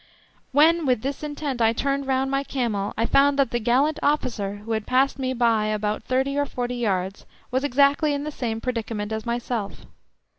When with this intent I turned round my camel I found that the gallant officer who had passed me by about thirty or forty yards was exactly in the same predicament as myself.